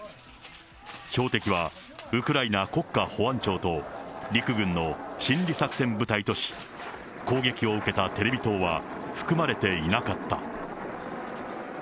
標的は、ウクライナ国家保安庁と、陸軍の心理作戦部隊とし、攻撃を受けたテレビ塔は含まれていなかった。